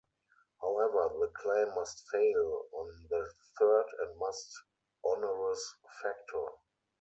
However, the claim must fail on the third and most onerous factor.